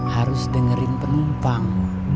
harus dengerin penumpang